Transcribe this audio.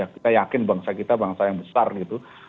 kita yakin bangsa kita bangsa yang besar gitu